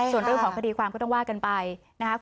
ส่วนเรื่องของคดีความก็ต้องว่ากันไปนะครับ